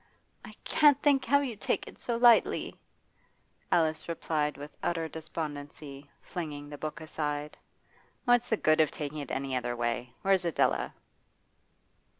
'I can't think how you take it so lightly,' Alice replied with utter despondency, flinging the book aside. 'What's the good of taking it any other way? Where's Adela?